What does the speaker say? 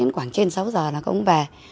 quảng trên sáu giờ là các ông về